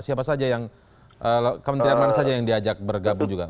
siapa saja yang kementerian mana saja yang diajak bergabung juga